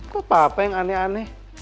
kok papa yang aneh aneh